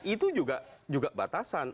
itu juga batasan